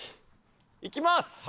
いきます！